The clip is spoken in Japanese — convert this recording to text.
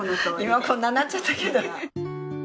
今はこんなんなっちゃったけど。